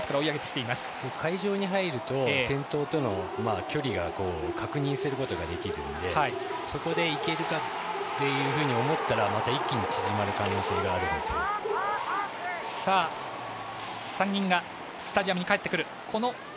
会場に入ると先頭との距離が確認することができるのでそこで、いけるかっていうふうに思ったらまた一気に縮まる可能性が３人がスタジアムに帰ってくる。